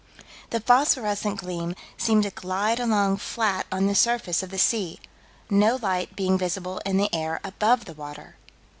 The phosphorescent gleam seemed to glide along flat on the surface of the sea, no light being visible in the air above the water.